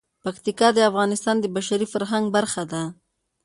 پکتیکا د افغانستان د بشري فرهنګ برخه ده.